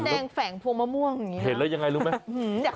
แดงแฝงพวงมะม่วงอย่างนี้เห็นแล้วยังไงรู้ไหม